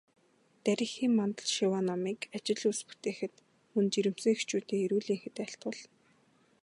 Дарь эхийн мандал шиваа номыг ажил үйлс бүтээхэд, мөн жирэмсэн эхчүүдийн эрүүл энхэд айлтгуулна.